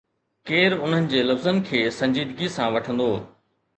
ڪير انهن جي لفظن کي سنجيدگي سان وٺندو؟